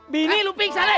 bini lu pingsan leh